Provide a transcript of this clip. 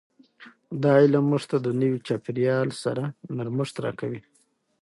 دا علم موږ ته د نوي چاپیریال سره نرمښت راکوي.